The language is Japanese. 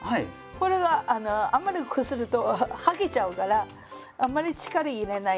これがあんまりこすると剥げちゃうからあんまり力入れない。